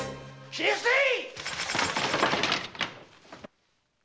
斬り捨てい！